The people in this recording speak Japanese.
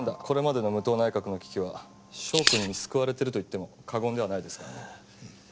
これまでの武藤内閣の危機は翔くんに救われていると言っても過言ではないですからね。